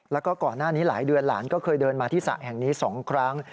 แล้วก็ก่อนหน้านี้หลายเดือนหลานก็เคยเดินมาที่สระแห่งนี้๒ครั้ง